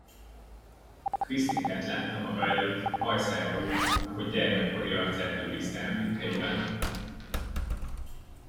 Krisztinkát látta maga előtt, hajszálra úgy, ahogy gyermekkori arcát őrizte emlékeiben.